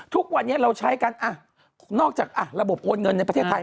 ทุกวันนี้เราใช้กันนอกจากระบบโอนเงินในประเทศไทย